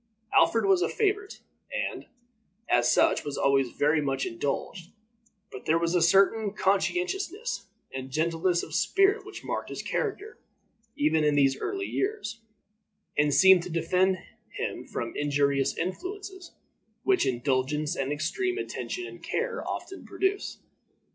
Alfred was a favorite, and, as such, was always very much indulged; but there was a certain conscientiousness and gentleness of spirit which marked his character even in these early years, and seemed to defend him from the injurious influences which indulgence and extreme attention and care often produce.